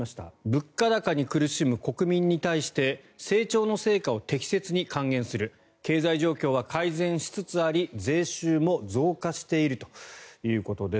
物価高に苦しむ国民に対して成長の成果を適切に還元する経済状況は改善しつつあり税収も増加しているということです。